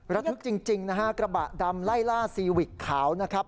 ระทึกจริงนะฮะกระบะดำไล่ล่าซีวิกขาวนะครับ